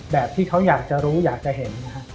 แบบที่เขาอยากจะรู้อยากจะเห็น